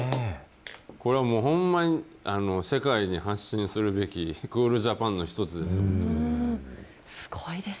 これはもうほんまに世界に発信するべきクールジャパンの一つです